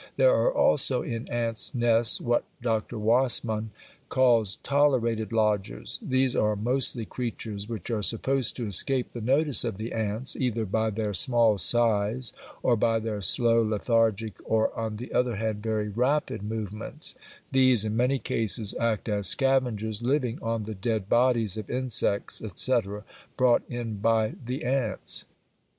There are also in ants' nests what Dr. Wasmann calls "tolerated lodgers"; these are mostly creatures which are supposed to escape the notice of the ants, either by their small size or by their slow, lethargic, or on the other hand very rapid movements these in many cases act as scavengers, living on the dead bodies of insects, etc., brought in by the ants.